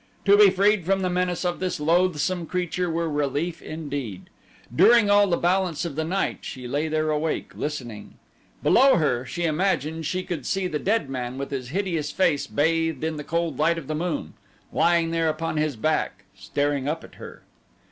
To be freed from the menace of this loathsome creature were relief indeed. During all the balance of the night she lay there awake, listening. Below her, she imagined, she could see the dead man with his hideous face bathed in the cold light of the moon lying there upon his back staring up at her.